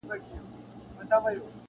• انسانيت له ازموينې تېريږي سخت..